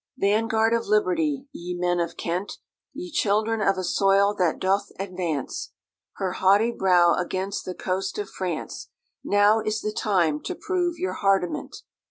Vanguard of Liberty, ye men of Kent, Ye children of a Soil that doth advance Her haughty brow against the coast of France, Now is the time to prove your hardiment!